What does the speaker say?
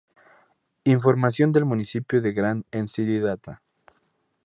Información del municipio de Grant en City-Data